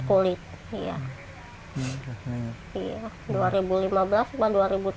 untuk melalui kulit